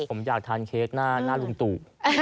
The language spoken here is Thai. ผมอยากทานเค้กหน้าลุงตู่